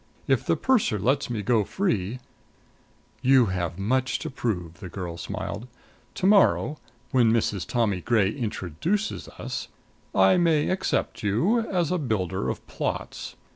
If the purser lets me go free " "You have much to prove," the girl smiled. "To morrow when Mrs. Tommy Gray introduces us I may accept you as a builder of plots.